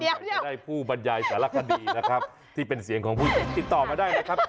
เดี๋ยวจะได้ผู้บรรยายสารคดีนะครับที่เป็นเสียงของผู้หญิงติดต่อมาได้นะครับ